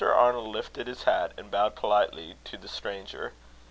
Arnold lifted his hat and bowed politely to the stranger.